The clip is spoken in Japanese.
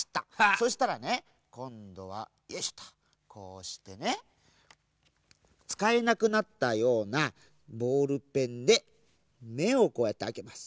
そしたらねこんどはよいしょとこうしてねつかえなくなったようなボールペンでめをこうやってあけます。